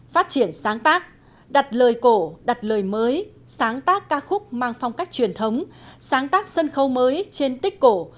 phát triển sáng tác đặt lời cổ đặt lời mới sáng tác ca khúc mang phong cách truyền thống sáng tác sân khấu mới trên tích cổ